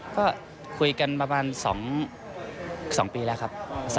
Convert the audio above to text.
ก็คุยกันประมาณ๒ปีแล้วครับ